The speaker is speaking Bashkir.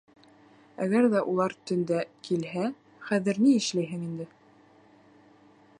Әгәр ҙә улар төндә килһә, хәҙер ни эшләйһең инде?